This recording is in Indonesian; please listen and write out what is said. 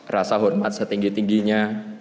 rasa hormat setinggi tingginya